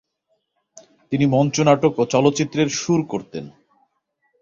তিনি মঞ্চনাটক ও চলচ্চিত্রের সুর করতেন।